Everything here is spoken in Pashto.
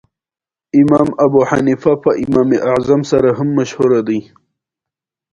په ګلانو ښکلل سوې ناوکۍ